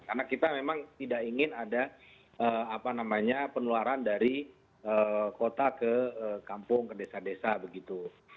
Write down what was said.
karena kita memang tidak ingin ada penularan dari kota ke kampung ke desa desa begitu